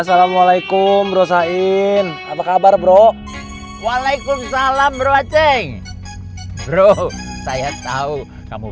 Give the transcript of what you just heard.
assalamualaikum brosain apa kabar bro waalaikumsalam bro aceh bro saya tahu kamu